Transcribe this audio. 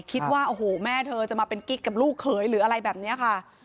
คิดว่าโอ้โหแม่เธอจะมาเป็นกิ๊กกับลูกเขยหรืออะไรแบบนี้ค่ะ